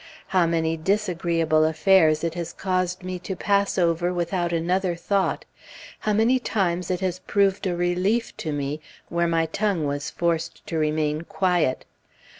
How many disagreeable affairs it has caused me to pass over without another thought, how many times it has proved a relief to me where my tongue was forced to remain quiet!